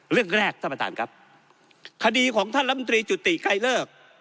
เรื่องแรกท่านประธานครับคดีของท่านลำตรีจุติไกลเลิก